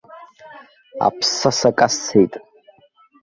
Аԥсаса касцеит.